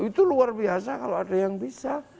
itu luar biasa kalau ada yang bisa